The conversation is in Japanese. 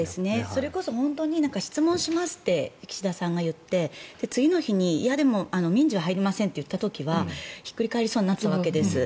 それこそ本当に質問しますって岸田さんが言って次の日にいや、でも民事は入りませんと言った時にはひっくり返りそうになったわけです。